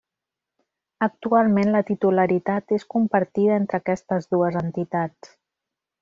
Actualment la titularitat és compartida entre aquestes dues entitats.